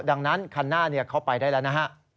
ดังนั้นคันหน้าเข้าไปได้แล้วนะฮะ